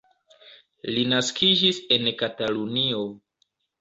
Li naskiĝis en Katalunio.